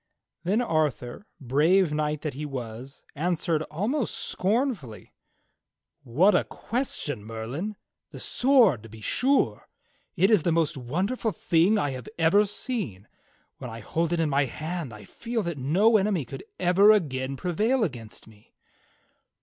^" Then Arthur, brave knight that he was, answered almost scorn fully: "What a question. Merlin! The sword to be sure. It is the most wonderful thing I have ever seen. When I hold it in my hand I feel that no enemy could ever again prevail against me."